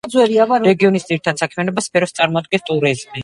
რეგიონის ძირითად საქმიანობის სფეროს წარმოადგენს ტურიზმი.